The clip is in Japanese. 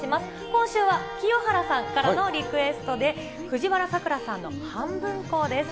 今週は清原さんからのリクエストで、藤原さくらさんのはんぶんこです。